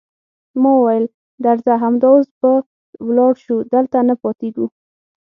ما وویل: درځه، همدا اوس به ولاړ شو، دلته نه پاتېږو.